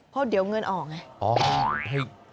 เพราะเดี๋ยวเงินออกไง